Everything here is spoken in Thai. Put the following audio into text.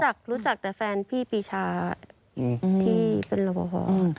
รู้จักรู้จักแต่แฟนพี่ปีชาที่เป็นรบพอ